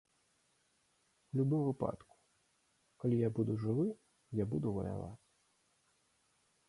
У любым выпадку, калі я буду жывы, я буду ваяваць.